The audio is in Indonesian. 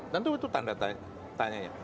tentu itu tanda tanya